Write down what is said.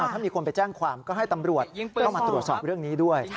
ถ้ามีคนไปแจ้งความก็ให้ตำรวจเข้ามาตรวจสอบเรื่องนี้ด้วย